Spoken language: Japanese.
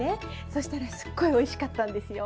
そしたらすっごいおいしかったんですよ。